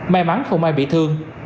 may mắn không ai bị thương